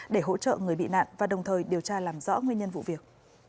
để hỗ trợ người bị nạn và đồng thời điều tra làm rõ nguyên nhân vụ việc